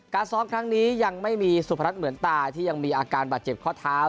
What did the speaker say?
ซ้อมครั้งนี้ยังไม่มีสุพรัชเหมือนตายที่ยังมีอาการบาดเจ็บข้อเท้า